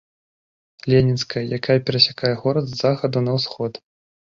Ленінская, якая перасякае горад з захаду на ўсход.